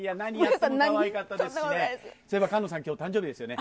そういえば菅野さん、きょう誕生日ですよね。